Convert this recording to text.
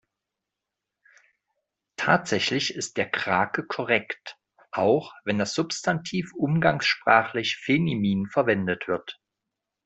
Tatsächlich ist der Krake korrekt, auch wenn das Substantiv umgangssprachlich feminin verwendet wird.